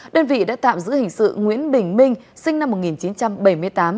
đơn vị đã tạm giữ hình sự nguyễn bình minh sinh năm một nghìn chín trăm bảy mươi tám